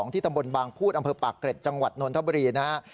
ที่ตำบลบางพูดอำเภอปากเกร็ดจังหวัดนทบุรีนะครับ